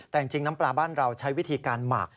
แต่จริงน้ำปลาบ้านเราใช้วิธีการหมัก